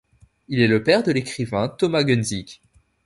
Il est le père de l'écrivain Thomas Gunzig.